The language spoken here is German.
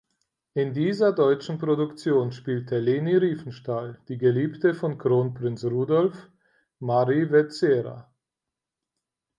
In dieser deutschen Produktion spielte Leni Riefenstahl die Geliebte von Kronprinz Rudolf, Mary Vetsera.